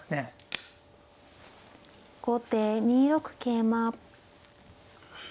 後手２六桂馬。